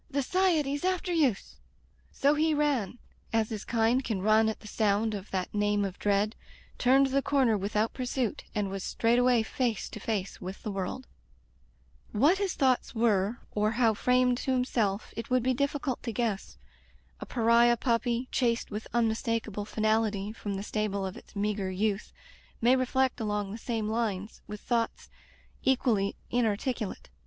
The S'iety's after youse!'' So he ran, as his kind can run at the sound of that name of dread, turned the corner without pursuit, and was straightway face to face with the world. What his thoughts were, or how framed to himself, it would be difficult to guess. A pariah puppy, chased with unmistakable finality from the stable of its meagre youth may reflect along the same lines, with thoughts equally inarticulate.